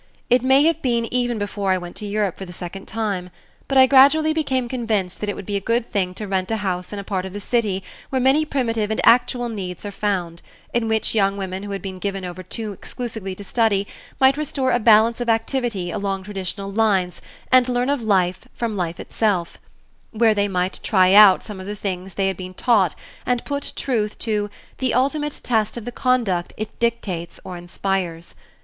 It may have been even before I went to Europe for the second time, but I gradually became convinced that it would be a good thing to rent a house in a part of the city where many primitive and actual needs are found, in which young women who had been given over too exclusively to study might restore a balance of activity along traditional lines and learn of life from life itself; where they might try out some of the things they had been taught and put truth to "the ultimate test of the conduct it dictates or inspires."